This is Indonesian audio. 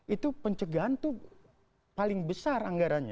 itu pencegahan itu paling besar anggarannya